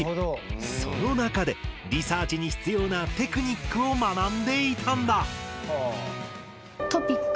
その中でリサーチに必要なテクニックを学んでいたんだ。